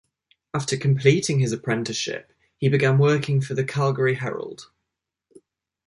After completing his apprenticeship, he began working for the Calgary Herald.